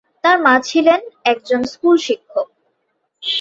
তার মা ছিলেন একজন স্কুল শিক্ষক।